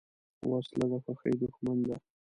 وسله د خوښۍ دښمن ده